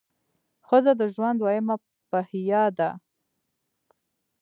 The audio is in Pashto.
ښځه د ژوند دویمه پهیه ده.